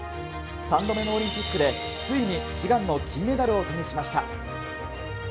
３度目のオリンピックで、ついに悲願の金メダルを手にしました。